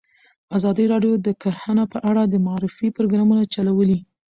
ازادي راډیو د کرهنه په اړه د معارفې پروګرامونه چلولي.